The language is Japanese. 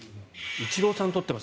イチローさん取ってます